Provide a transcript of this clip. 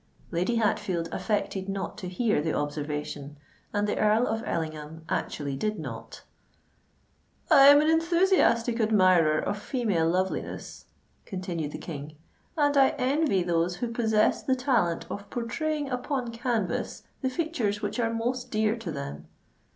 Lady Hatfield affected not to hear the observation; and the Earl of Ellingham actually did not. "I am an enthusiastic admirer of female loveliness," continued the King; "and I envy those who possess the talent of pourtraying upon canvas the features which are most dear to them.